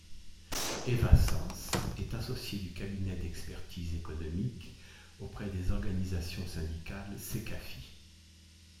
Éva Sas est associée du cabinet d'expertise économique auprès des organisations syndicales Secafi.